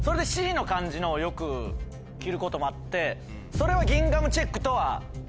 それは。